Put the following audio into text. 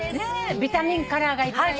ビタミンカラーがいっぱいで。